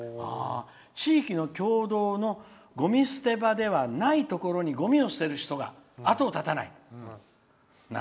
地域の共同のごみ捨て場ではないところにごみを捨てる人が後を絶たない」。